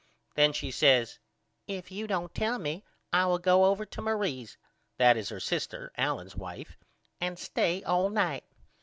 Then she says If you don't tell me I will go over to Marie's that is her sister Allen's wife and stay all night.